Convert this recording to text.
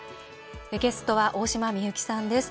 ゲストは大島美幸さんです。